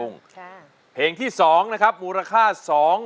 ไม่ทำได้ไม่ทำได้